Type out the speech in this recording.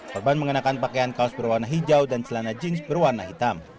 korban mengenakan pakaian kaos berwarna hijau dan celana jeans berwarna hitam